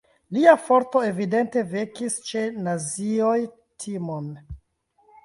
Lia forto evidente vekis ĉe nazioj timon.